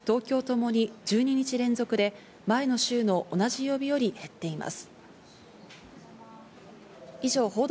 全国、東京ともに１２日連続で前の週の同じ曜日より減っています。